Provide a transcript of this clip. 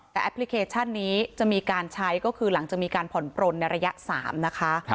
แต่แอปพลิเคชันนี้จะมีการใช้ก็คือหลังจากมีการผ่อนปลนในระยะ๓นะคะ